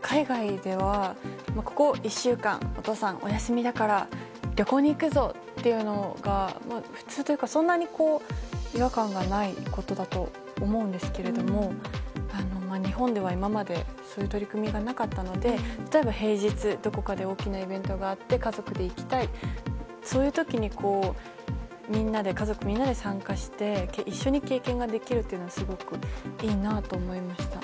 海外では、ここ１週間お父さんお休みだから旅行に行くぞというのが普通というかそんなに違和感がないことだと思うんですけれども日本では今までそういう取り組みがなかったので例えば平日どこかで大きなイベントがあって家族で行きたいそういう時にみんなで参加して一緒に経験できるというのはすごくいいなと思いました。